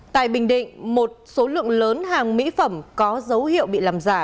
tại bình định một số lượng lớn hàng mỹ phẩm có dấu hiệu bị làm giả